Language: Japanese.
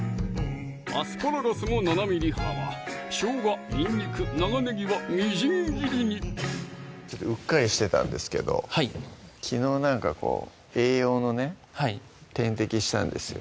アスパラガスも７ｍｍ幅しょうが・にんにく・長ねぎはみじん切りにうっかりしてたんですけどはい昨日栄養のね点滴したんですよ